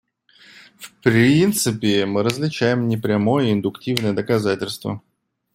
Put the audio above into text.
В принципе, мы различаем непрямое и индуктивное доказательство.